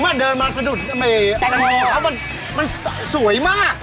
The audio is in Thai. ผมอ่ะเดินมาสะดุดเมย์มันสวยมาก